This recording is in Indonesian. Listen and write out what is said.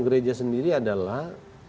gereja sendiri adalah